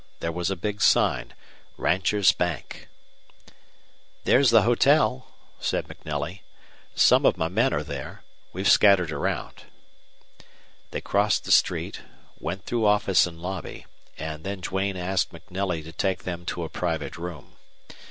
There was a big sign, "Rancher's Bank." "There's the hotel," said MacNelly. "Some of my men are there. We've scattered around." They crossed the street, went through office and lobby, and then Duane asked MacNelly to take them to a private room.